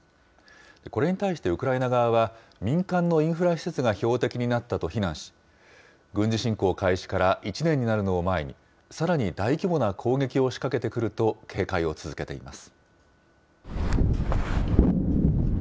これに対してウクライナ側は、民間のインフラ施設が標的になったと非難し、軍事侵攻開始から１年になるのを前に、さらに大規模な攻撃を仕掛けてくると警戒を続けています。